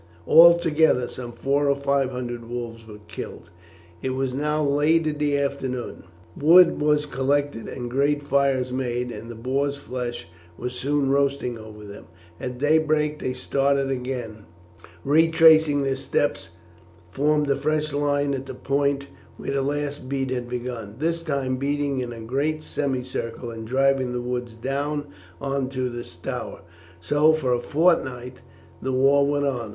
Altogether some four or five hundred wolves were killed. It was now late in the afternoon. Wood was collected and great fires made, and the boars' flesh was soon roasting over them. At daybreak they started again, and retracing their steps formed a fresh line at the point where the last beat had begun, this time beating in a great semicircle and driving the wolves down on to the Stour. So for a fortnight the war went on.